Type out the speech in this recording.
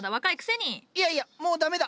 いやいやもう駄目だ。